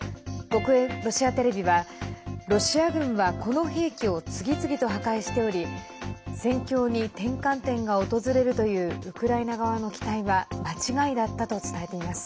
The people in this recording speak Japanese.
国営ロシアテレビは、ロシア軍はこの兵器を次々と破壊しており戦況に転換点が訪れるというウクライナ側の期待は間違いだったと伝えています。